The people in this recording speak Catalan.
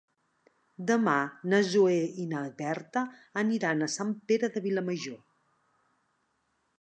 Demà na Zoè i na Berta aniran a Sant Pere de Vilamajor.